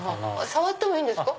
触ってもいいんですか？